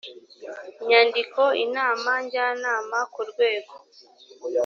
nyandiko inama njyanama ku rwego